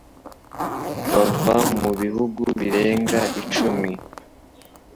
bava mu bihugu birenga icumi